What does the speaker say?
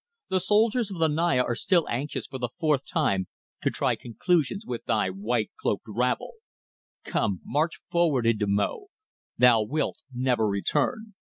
The soldiers of the Naya are still anxious for the fourth time to try conclusions with thy white cloaked rabble. Come, march forward into Mo thou wilt never return."